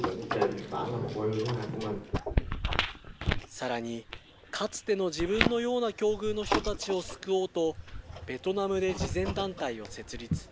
さらに、かつての自分のような境遇の人たちを救おうと、ベトナムで慈善団体を設立。